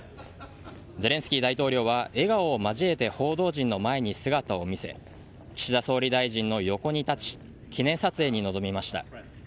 ゼレンスキー大統領は笑顔を交えて報道陣の前に姿を見せ岸田総理大臣の横に立ち記念撮影に臨みました。